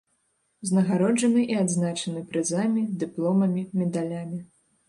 Узнагароджаны і адзначаны прызамі, дыпломамі, медалямі.